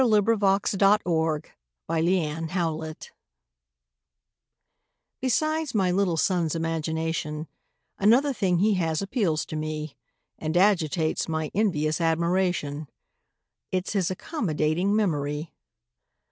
HIS MEMORY Besides my little son's imagination, Another thing he has appeals to me And agitates my envious admiration It's his accommodating memory.